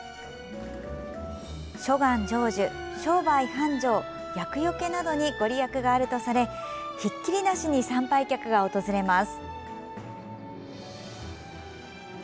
諸願成就、商売繁盛厄除けなどに御利益があるとされひっきりなしに参拝客が訪れます。